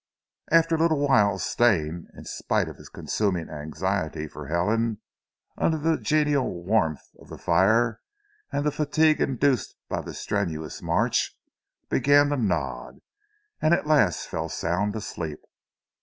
After a little while Stane, in spite of his consuming anxiety for Helen, under the genial warmth of the fire and the fatigue induced by the strenuous march, began to nod, and at last fell sound asleep.